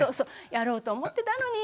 やろうと思ってたのに！